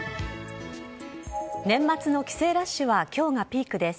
年末の帰省ラッシュはきょうがピークです。